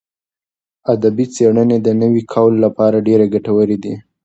ادبي څېړنې د نوي کهول لپاره ډېرې ګټورې دي.